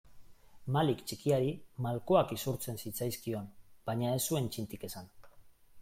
Malik txikiari malkoak isurtzen zitzaizkion baina ez zuen txintik esan.